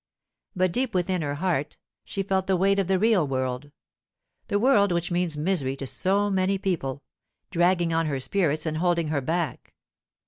But deep within her heart she felt the weight of the real world—the world which means misery to so many people—dragging on her spirits and holding her back.